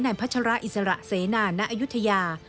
พัชระอิสระเสนาณอายุทยา